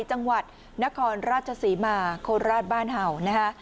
จังหวัดนครราชศรีมาโคราชบ้านเห่านะคะ